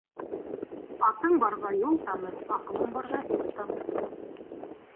Атың барҙа юл таны, аҡылың барҙа ир таны.